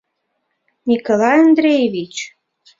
Николай Андреевич!..